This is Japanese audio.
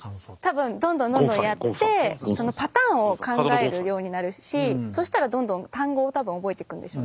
多分どんどんどんどんやってそのパターンを考えるようになるしそしたらどんどん単語を多分覚えていくんでしょうね。